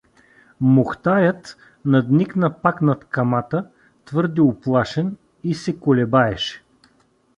Мухтарят надникна пак над камата твърде уплашен и се колебаеше.